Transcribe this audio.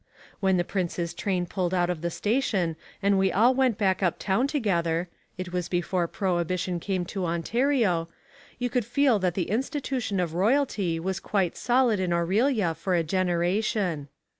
When the prince's train pulled out of the station and we all went back uptown together (it was before prohibition came to Ontario) you could feel that the institution of royalty was quite solid in Orillia for a generation.